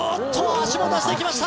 足も出してきました